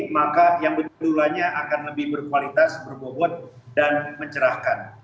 maka yang berjadulahnya akan lebih berkualitas berbohon dan mencerahkan